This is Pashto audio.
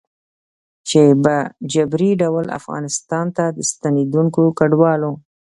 چې په جبري ډول افغانستان ته د ستنېدونکو کډوالو